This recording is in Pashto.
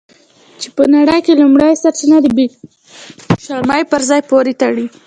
چې نړۍ یې ټول سرچینه د بې شرمۍ په ځای پورې تړي.